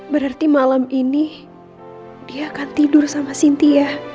berarti malam ini dia akan tidur sama sintia